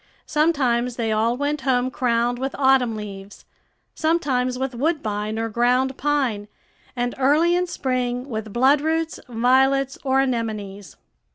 Sometimes they all went home crowned with autumn leaves, sometimes with woodbine or ground pine, and early in spring with bloodroots, violets, or anemones.